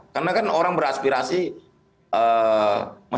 karena kan orang beraspirasi masa kita larang